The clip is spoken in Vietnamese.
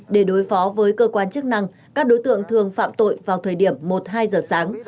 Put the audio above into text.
để đối phó với cơ quan chức năng các đối tượng thường phạm tội vào thời điểm một hai giờ sáng